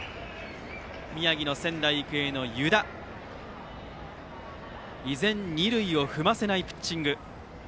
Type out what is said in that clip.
宮城の仙台育英の湯田依然二塁を踏ませないピッチング。